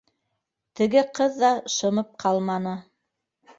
— Теге ҡыҙ ҙа шымып ҡалманы: